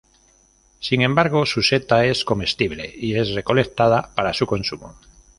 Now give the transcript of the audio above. Sin embargo, su seta es comestible y es recolectada para su consumo.